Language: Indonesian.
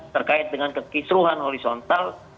terkait dengan kekisruhan horizontal